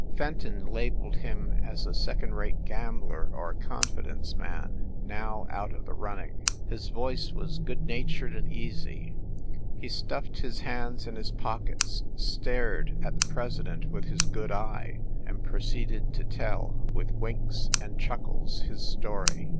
Fenton labeled him as a second rate gambler or a confidence man, now out of the running. His voice was good natured and easy. He stuffed his hands in his pockets, stared at the presi dent with his good eye, and proceeded to tell, with winks and chuckles, his story.